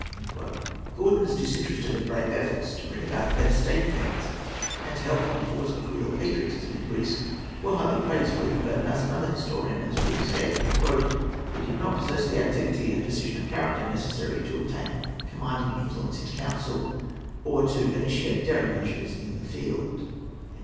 "[A] Gordon's disinterested and brave efforts to bring about a better state of things and to help on the cause of real patriotism in Greece were highly praiseworthy; but, as another historian has truly said, "he did not possess the activity and decision of character necessary to obtain commanding influence in council, or to initiate daring measures in the field."